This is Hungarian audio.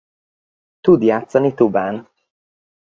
Tud játszani tubán.